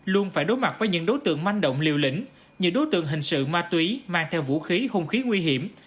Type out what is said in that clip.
luôn phải đối mặt với những đối tượng manh động liều lĩnh những đối tượng hình sự ma túy mang theo vũ khí hung khí nguy hiểm